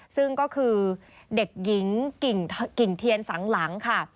ซึ่งก็คือเด็กหญิงกิ่งเทียนสังหลังค่ะ